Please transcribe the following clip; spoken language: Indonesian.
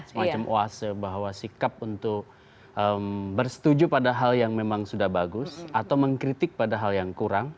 semacam oase bahwa sikap untuk bersetuju pada hal yang memang sudah bagus atau mengkritik pada hal yang kurang